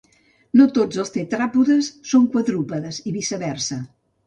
No tots els tetràpodes són quadrúpedes i viceversa.